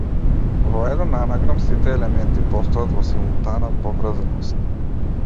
Во еден анаграм сите елементи постојат во симултана поврзаност.